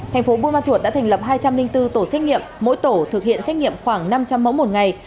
thành phố buôn ma thuột đã thành lập hai trăm linh bốn tổ xét nghiệm mỗi tổ thực hiện xét nghiệm khoảng năm trăm linh mẫu một ngày